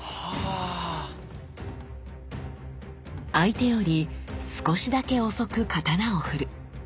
相手より少しだけ遅く刀をふる。